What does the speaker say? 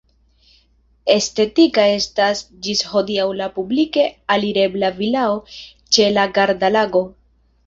Estetika estas ĝis hodiaŭ la publike alirebla vilao ĉe la Garda-Lago.